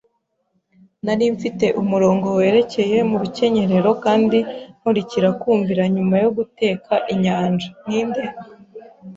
Nari mfite umurongo werekeye mu rukenyerero kandi nkurikira kumvira nyuma yo guteka inyanja, ninde